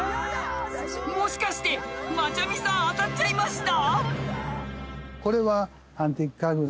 もしかしてマチャミさん当たっちゃいました？